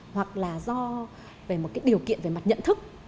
hoặc là do điều kiện về mặt nhận thức